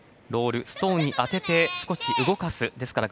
ロールはストーンに当てて少し動かす。